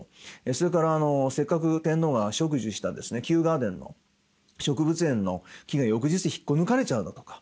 それからせっかく天皇が植樹したキューガーデンの植物園の木が翌日引っこ抜かれちゃうだとか。